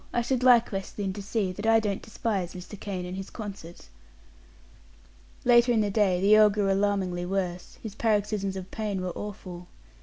"I should like West Lynne to see that I don't despise Mr. Kane and his concert." Later in the day the earl grew alarmingly worse; his paroxysms of pain were awful.